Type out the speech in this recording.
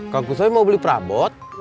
kang kusoy mau beli perabot